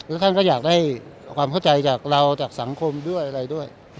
แล้วท่านก็อยากได้ความเข้าใจจากเราจากสังคมด้วยอะไรด้วย